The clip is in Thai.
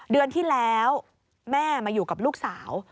เดือนที่แล้วแม่มาอยู่กับลูกสาว